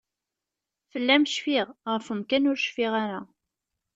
Fell-am cfiɣ, ɣef umkan ur cfiɣ ara.